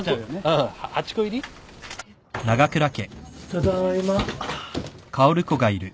ただいま。